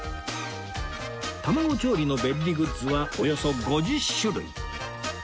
卵調理の便利グッズはおよそ５０種類